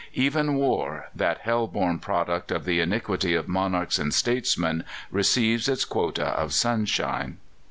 Even war, that hell born product of the iniquity of monarchs and statesmen, receives its quota of sunshine."